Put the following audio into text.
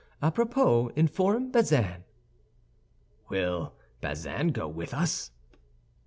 A propos, inform Bazin." "Will Bazin go with us?"